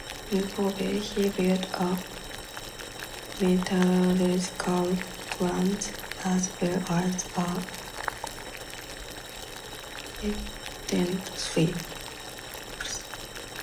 In Kobe, he built a metallurgical plant, as well as a patent slip.